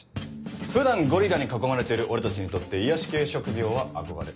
普段ゴリラに囲まれてる俺たちにとって癒やし系職業は憧れ。